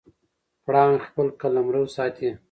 پړانګ خپل قلمرو ساتي.